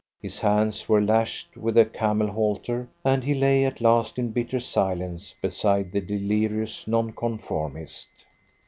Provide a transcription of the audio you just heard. His hands were lashed with a camel halter, and he lay at last, in bitter silence, beside the delirious Nonconformist.